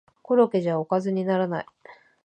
コロッケじゃおかずにならない